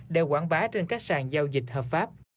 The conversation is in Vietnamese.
để quảng bá trên các sàn giao dịch hợp pháp